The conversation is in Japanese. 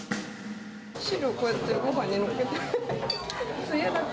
汁をこうやってごはんにのっけて。